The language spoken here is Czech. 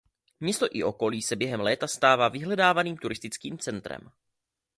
Město i okolí se během léta stává vyhledávaným turistickým centrem.